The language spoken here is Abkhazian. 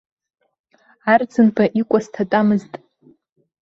Арӡынба икәа сҭатәамызт.